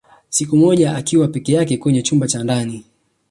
Siku moja akiwa peke yake kwenye chumba cha ndani